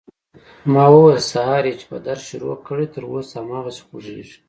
ما وويل سهار يې چې په درد شروع کړى تر اوسه هماغسې خوږېږي.